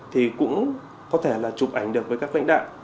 thì cũng có thể là chụp ảnh được với các lãnh đạo